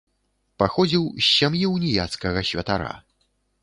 Паходзіў з сям'і ўніяцкага святара.